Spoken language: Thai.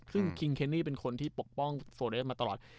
ซึ่งคิงเคนี่เป็นคนที่ปกป้องโฟเรสมาตลอด